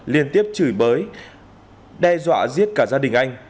liên tiếp chửi bới đe dọa giết cả gia đình anh